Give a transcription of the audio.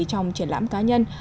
trong triển lãm cá nhân